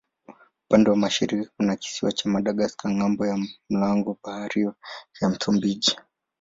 Upande wa mashariki kuna kisiwa cha Madagaska ng'ambo ya mlango bahari wa Msumbiji.